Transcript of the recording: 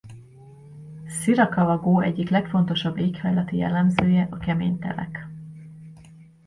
Sirakava-go egyik legfontosabb éghajlati jellemzője a kemény telek.